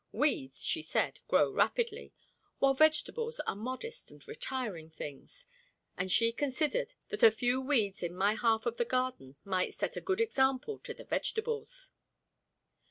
Weeds, she said, grow rapidly, while vegetables are modest and retiring things, and she considered that a few weeds in my half of the garden might set a good example to the vegetables.